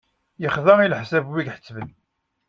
Yexda i lehsab wi ihessben.